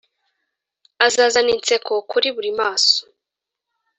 azazana inseko kuri buri maso